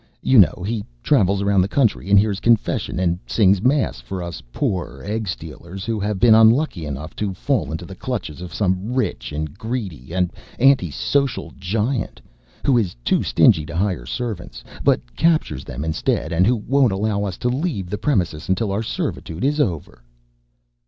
"You know he travels around the country and hears confession and sings Mass for us poor egg stealers who have been unlucky enough to fall into the clutches of some rich and greedy and anti social Giant who is too stingy to hire servants, but captures them instead, and who won't allow us to leave the premises until our servitude is over...."